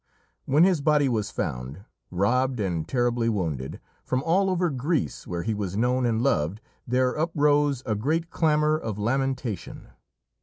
When his body was found, robbed and terribly wounded, from all over Greece, where he was known and loved, there uprose a great clamour of lamentation.